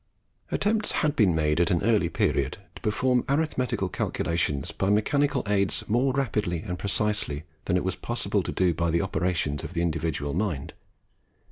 Attempts had been made at an early period to perform arithmetical calculations by mechanical aids more rapidly and precisely than it was possible to do by the operations of the individual mind.